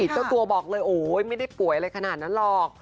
เจ้าตัวบอกเลยโอ๊ยไม่ได้ป่วยอะไรขนาดนั้นหรอก